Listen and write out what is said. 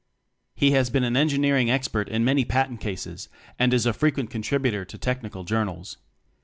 He has been an engineering expert in many patent cases, and is a frequent contributor to technical journals.